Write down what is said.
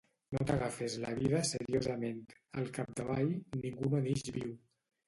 No t'agafes la vida seriosament; al capdavall, ningú no n'ix viu.